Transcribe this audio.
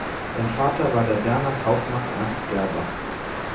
Sein Vater war der Berner Kaufmann Ernst Gerber.